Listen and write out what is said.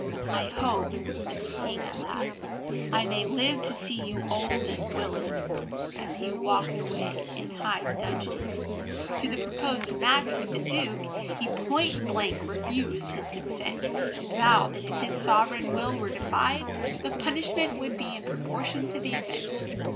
"I hope," said the King at last, "I may live to see you old and willing," as he walked away in high dudgeon. To the proposed match with the Duke he point blank refused his consent, and vowed that if his sovereign will were defied, the punishment would be in proportion to the offence.